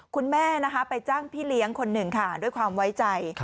คุณแม่นะคะไปจ้างพี่เลี้ยงคนหนึ่งค่ะด้วยความไว้ใจ